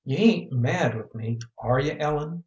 "You ain't mad with me, are you, Ellen?"